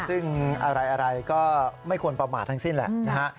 ซึ่งอะไรก็ไม่ควรประมาททั้งสิ้นแหละนะฮะ